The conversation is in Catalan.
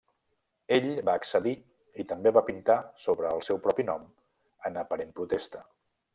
Ell va accedir i també va pintar sobre el seu propi nom en aparent protesta.